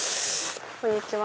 こんにちは。